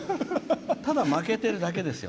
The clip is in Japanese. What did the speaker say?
ただ負けてるだけですよ。